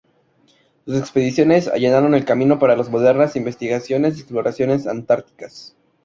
Sus expediciones allanaron el camino para las modernas investigaciones y exploraciones antárticas.